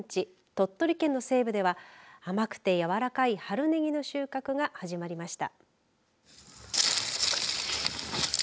鳥取県の西部では甘くてやわらかい春ねぎの収穫が始まりました。